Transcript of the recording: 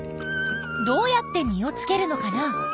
どうやって実をつけるのかな？